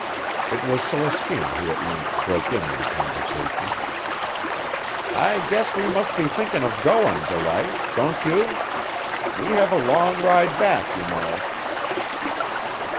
It was Celestina who at length broke in on the conversation. "I guess we must be thinkin' of goin', Delight, don't you? We have a long ride back, you know."